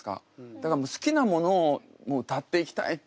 だから好きなものを歌っていきたいって。